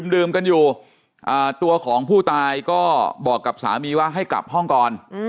ดื่มกันอยู่ตัวของผู้ตายก็บอกกับสามีว่าให้กลับห้องก่อน